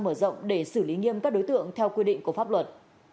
điều tra mở rộng để xử lý nghiêm các đối tượng theo quy định của pháp luật